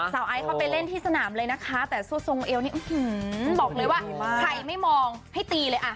ไอซ์เข้าไปเล่นที่สนามเลยนะคะแต่เสื้อทรงเอวนี่บอกเลยว่าใครไม่มองให้ตีเลยอ่ะ